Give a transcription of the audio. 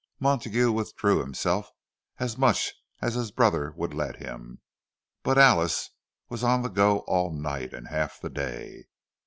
Montague withdrew himself as much as his brother would let him; but Alice, was on the go all night and half the day.